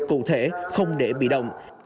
cụ thể không để bị động